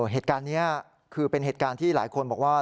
เหตุการณ์นี้คือเป็นเหตุการณ์ที่หลายคนบอกว่า